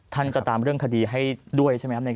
ท่านจะตามเรื่องคดีให้ด้วยใช่ไหมครับ